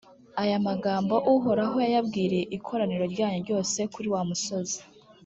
aya magambo, uhoraho yayabwiriye ikoraniro ryanyu ryose kuri wa musozi,